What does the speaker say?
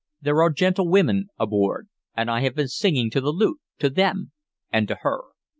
There are gentlewomen aboard, and I have been singing to the lute, to them and to her.